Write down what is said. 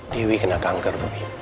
dewi kena kanker